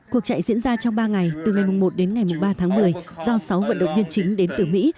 cuộc chạy diễn ra trong ba ngày từ ngày một đến ngày ba tháng một mươi do sáu vận động viên chính đến từ mỹ